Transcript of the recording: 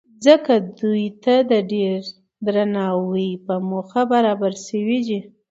ځکه دوی ته د ډېر درناوۍ په موخه برابر شوي دي.